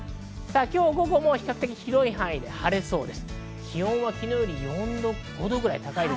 午後も比較的広い範囲で晴れそうです。